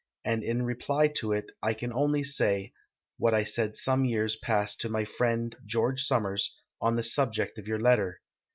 and in reply to it I can only say, what I said some years past to my friend, George Summers, on the subject of }'Our letter.